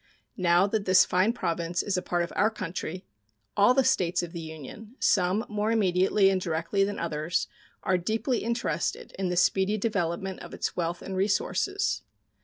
Now that this fine province is a part of our country, all the States of the Union, some more immediately and directly than others, are deeply interested in the speedy development of its wealth and resources.